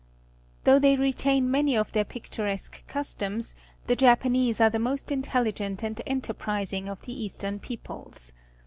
Though they retain many of their pictur esque customs, the Japanese are the most in teUigent and enterprising of the Eastern peoples.